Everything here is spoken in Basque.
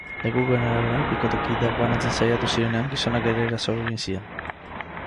Lekukoen arabera, bikotekideak banatzen saiatu zirenean, gizonak ere eraso egin zien.